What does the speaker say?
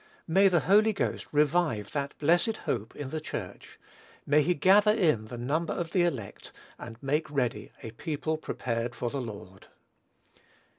May the Holy Ghost revive "that blessed hope" in the Church, may he gather in the number of the elect, and "make ready a people prepared for the Lord!"